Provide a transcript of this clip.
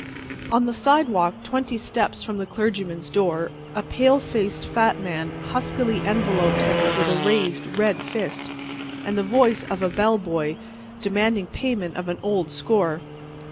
On the sidewalk, twenty steps from the clergyman's door, a pale faced, fat man huskily enveloped him with a raised, red fist and the voice of a bell buoy, demanding payment of an old score.